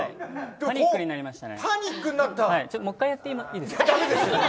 パニックになりましたね。